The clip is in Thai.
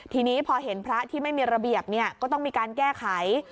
ทีนี้พอเห็นพระที่ไม่มีระเบียบก็ต้องมีการแก้ไข